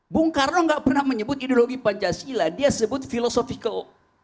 bung karno nggak pernah menyebut ideologi pancasila dia sebut filosofical